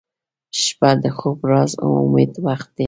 • شپه د خوب، راز، او امید وخت دی